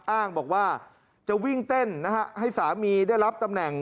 อ้างบอกว่าจะวิ่งเต้นนะฮะให้สามีได้รับตำแหน่ง